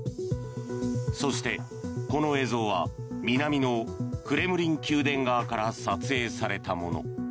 そして、この映像は南のクレムリン宮殿側から撮影されたもの。